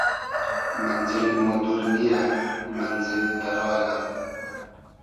مئنزیل مۉ دور نییۂ مئنزیل دۂ را یۂ